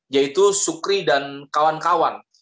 yaitu sukri dan kawan kawan